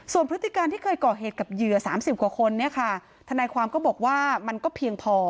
ส่วนพฤติการที่เคยก่อเหตุกับเหยื่อ๓๐กว่าคนเนี่ยค่ะทนายความก็บอกว่ามันก็เพียงพอ